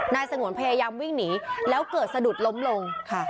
สงวนพยายามวิ่งหนีแล้วเกิดสะดุดล้มลงค่ะ